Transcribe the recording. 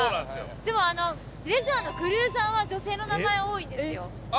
でもレジャーのクルーザーは女性の名前多いんですよ。